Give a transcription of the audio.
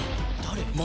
誰？